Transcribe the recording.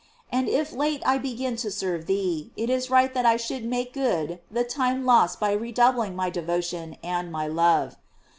And if late I be gin to serve thee, it is right that I should make good the time lost by redoubling my devotion and my love.